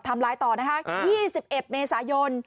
ทำลายต่อนะคะ๒๑เมษายน